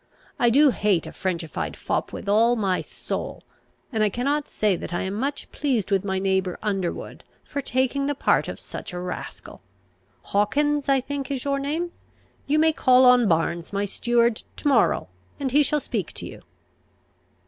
I do hate a Frenchified fop with all my soul: and I cannot say that I am much pleased with my neighbour Underwood for taking the part of such a rascal. Hawkins, I think, is your name? You may call on Barnes, my steward, to morrow, and he shall speak to you."